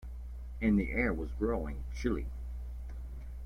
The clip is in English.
And the air was growing chilly.